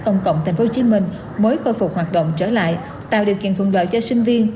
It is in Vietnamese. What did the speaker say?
công cộng tp hcm mới khôi phục hoạt động trở lại tạo điều kiện thuận lợi cho sinh viên